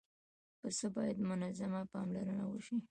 پسه باید منظمه پاملرنه وشي.